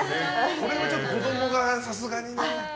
これはちょっと子供がさすがにね。